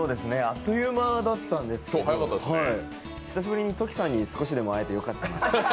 あっという間だったんですけど久しぶりにトキさんに少しでも会えてよかったです。